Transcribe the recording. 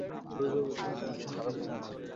ঢাকার গৌরবোজ্জ্বল ঐতিহ্যের স্মারক এ ময়দান।